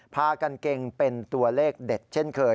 พากางเกงเป็นตัวเลขเด็ดเช่นเคย